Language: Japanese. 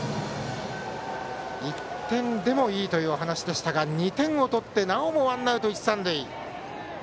１点でもいいというお話でしたが２点を取ってなおもワンアウト一、三塁。